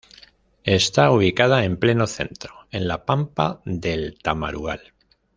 Está ubicada en pleno centro en la pampa del Tamarugal.